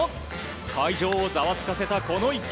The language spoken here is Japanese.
会場をざわつかせたこの一球。